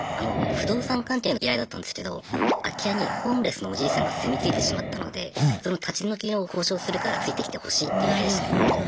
不動産関係の依頼だったんですけど空き家にホームレスのおじいさんが住み着いてしまったのでその立ち退きの交渉するからついてきてほしいという依頼でしたね。